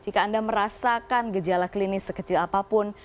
jika anda merasakan gejala klinis sekecil apapun